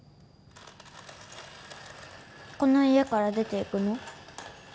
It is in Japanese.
この家から出て行くの？